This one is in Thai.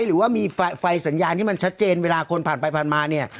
หรือว่ามีไฟสัญญาณที่มันชัดเจนเวลาคนผ่านไปผ่านมาเนี่ย